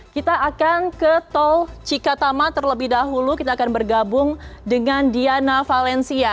kita akan ke tol cikatama terlebih dahulu kita akan bergabung dengan diana valencia